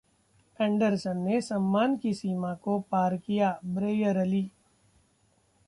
Anderson ने सम्मान की सीमा को पार किया: ब्रेयरली